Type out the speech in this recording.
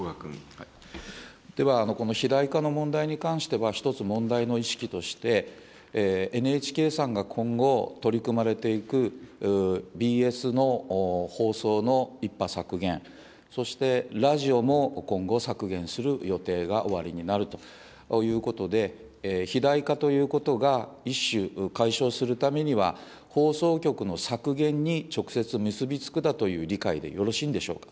では、この肥大化の問題に関しては、一つ問題の意識として、ＮＨＫさんが今後、取り組まれていくＢＳの放送の１波削減、そしてラジオも今後、削減する予定がおありになるということで、肥大化ということが一種解消するためには、放送局の削減に直接結び付くんだという理解でよろしいんでしょうか。